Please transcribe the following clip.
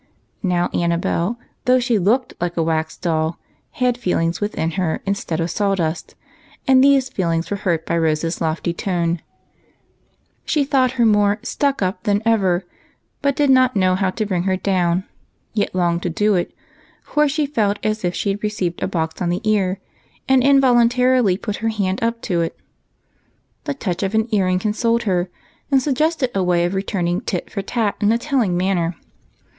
Now Annabel, though she looked like a wax doll, had feelings within her instead of sawdust, and these feelings were hurt by Rose's lofty tone. She thought her more " stuck up " than ever, but did not know how to bring her down, yet longed to do it, for she felt as if she had received a box on the ear, and in voluntarily put her hand w]) to it. The touch of an ear ring consoled her, and suggested a way of return ing tit for tat in a telling manner.